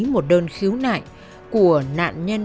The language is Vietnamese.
một đơn khiếu nại của nạn nhân